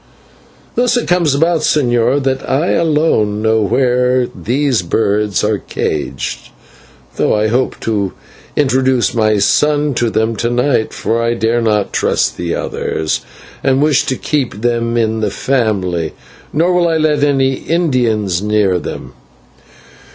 "Thus it comes about, señor, that I alone know where these birds are caged, though I hope to introduce my son to them to night, for I dare not trust the others, and wish to keep them in the family, nor will I let any Indians near them.